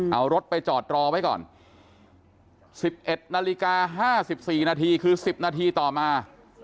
เอารถไปจอดรอไว้ก่อน๑๑นาฬิกา๕๔นาทีคือ๑๐นาทีต่อมา